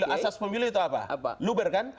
asas pemilih itu apa luber kan